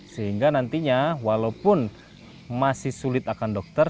sehingga nantinya walaupun masih sulit akan dokter